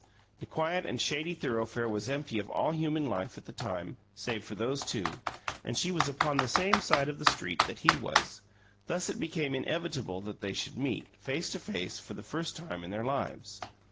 The quiet and shady thoroughfare was empty of all human life, at the time, save for those two; and she was upon the same side of the street that he was; thus it became inevitable that they should meet, face to face, for the first time in their lives.